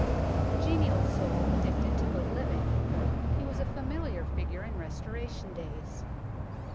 A genial soul, addicted to good living, he was a familiar figure in Restoration days.